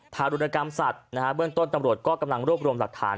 ถาดุรนกรรมสัตว์เบื้องต้นตำรวจกำลังรวมร่วมหลักฐาน